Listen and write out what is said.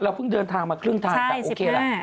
เราเพิ่งเดินทางมาครึ่งทางกับโอเคแล้วใช่๑๕